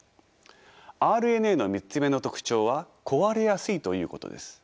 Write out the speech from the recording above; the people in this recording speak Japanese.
ＲＮＡの３つ目の特徴は壊れやすいということです。